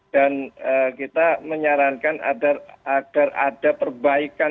dan kita menyarankan agar ada perbaikan